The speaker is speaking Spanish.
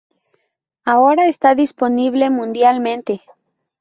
Ahora está disponible mundialmente.